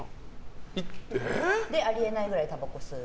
で、ありえないぐらいたばこ吸う。